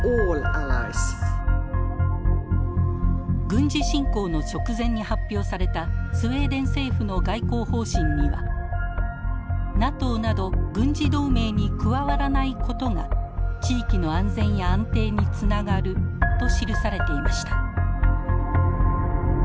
軍事侵攻の直前に発表されたスウェーデン政府の外交方針には「ＮＡＴＯなど軍事同盟に加わらないことが地域の安全や安定につながる」と記されていました。